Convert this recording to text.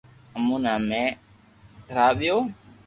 امو ني ھمي ٿراويو